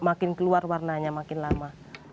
makin keluar warnanya makin lama